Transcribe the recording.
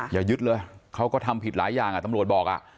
อย่ายึดเลยเขาก็ทำผิดหลายอย่างตำรวจบอก